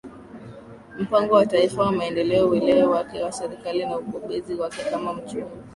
Mpango wa Taifa wa Maendeleo uelewa wake wa serikali na ubobezi wake kama mchumi